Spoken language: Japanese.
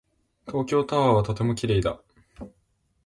東京タワーはとても綺麗だ。